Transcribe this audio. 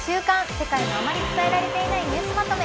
世界のあまり伝えられていないニュースまとめ」。